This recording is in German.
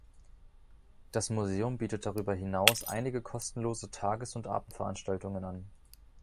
Das Museum bietet darüber hinaus einige kostenlose Tages- und Abendveranstaltungen an.